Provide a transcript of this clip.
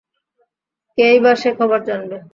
কেই বা সে খবর জানবে!